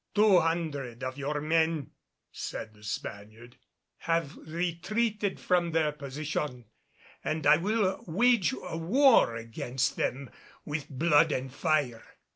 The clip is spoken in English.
"Two hundred of your men," said the Spaniard, "have retreated from their position and I will wage a war against them with blood and fire.